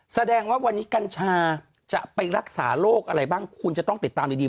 แสดงว่าวันนี้กัญชาจะไปรักษาโรคอะไรบ้างคุณจะต้องติดตามดี